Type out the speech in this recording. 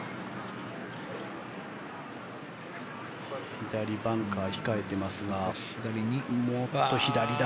左バンカー控えていますがもっと左だ。